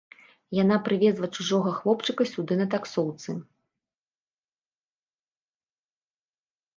Яна прывезла чужога хлопчыка сюды на таксоўцы.